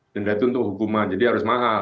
denda itu untuk hukuman jadi harus mahal